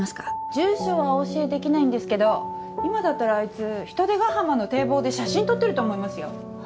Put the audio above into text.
住所はお教えできないんですけど今だったらあいつ海星ヶ浜の堤防で写真撮ってると思いますよ。